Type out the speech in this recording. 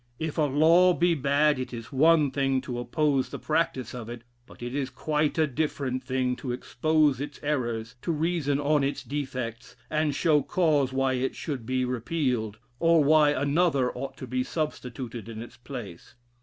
If a law be bad, it is one thing to oppose the practice of it, but it is quite a different thing to expose its errors, to reason on its defects, and show cause why it should be repealed, or why another ought to be substituted in its place.